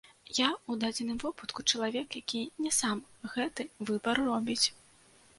Я ў дадзеным выпадку чалавек, які не сам гэты выбар робіць.